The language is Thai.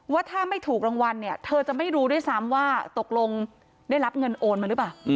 ว่าถ้าไม่ถูกรางวัลเนี่ยเธอจะไม่รู้ด้วยซ้ำว่าตกลงได้รับเงินโอนมาหรือเปล่า